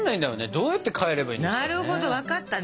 どうやって変えればいいんでしょうかね。